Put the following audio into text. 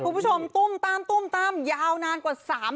กลุ่มน้ำเบิร์ดเข้ามาร้านแล้ว